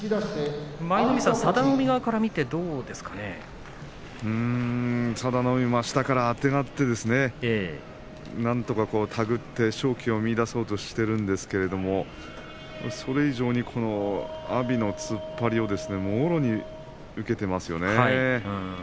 舞の海さん、佐田の海側から見て佐田の海下からあてがってなんとか手繰って勝機を見いだそうとしているんですけれどもそれ以上に阿炎の突っ張りをもろに受けていますよね。